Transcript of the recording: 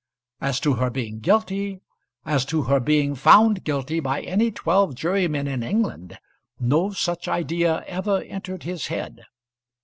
As to her being guilty as to her being found guilty by any twelve jurymen in England, no such idea ever entered his head.